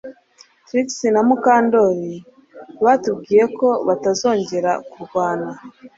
Trix na Mukandoli batubwiye ko batazongera kurwana